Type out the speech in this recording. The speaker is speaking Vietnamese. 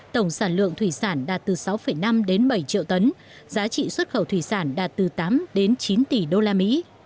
tổng sản lượng thủy sản đạt từ sáu năm đến bảy triệu tấn giá trị xuất khẩu thủy sản đạt từ tám đến chín tỷ usd